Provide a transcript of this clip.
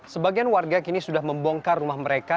sebagian warga kini sudah membongkar rumah mereka